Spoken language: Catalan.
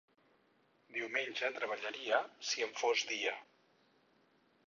Diumenge treballaria, si en fos dia.